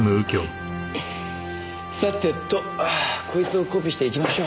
さてとこいつをコピーしていきましょう。